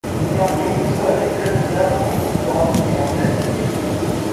Bryan Young joue avec l'Ulster en Coupe d'Europe et en Celtic league.